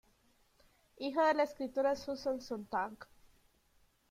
Hijo de la escritora Susan Sontag.